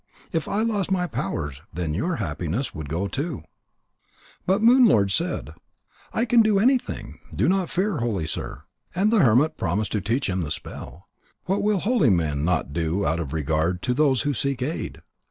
If I lost my powers, then your happiness would go too." But Moon lord said: "I can do anything. Do not fear, holy sir." And the hermit promised to teach him the spell. What will holy men not do out of regard to those who seek aid?